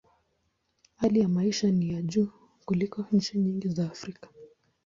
Hali ya maisha ni ya juu kuliko nchi nyingi za Afrika.